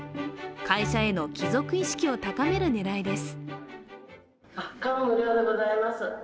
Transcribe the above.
会社への帰属意識を高める狙いです。